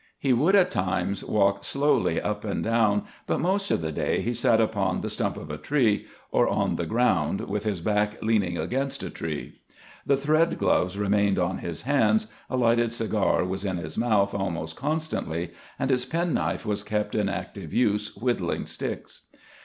He would at times walk slowly up and down, but most of the day he sat upon the stump of a tree, or on the ground, with his back leaning against a tree. The thread gloves remained on his hands, a lighted cigar was in his mouth almost constantly, and his penknife was kept in active use whittling sticks.